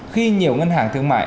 khi nhiều ngân hàng thương mại